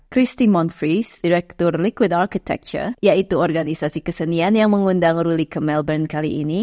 christy monfries direktur liquid architecture yaitu organisasi kesenian yang mengundang ruli ke melbourne kali ini